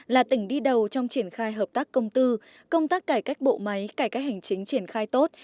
là tỉnh đi đầu trong triển khai hợp tác công tư công tác cải cách bộ máy cải cách hành chính triển khai tốt